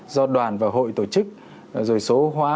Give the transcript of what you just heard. do đoàn và hội tổ chức rồi số hóa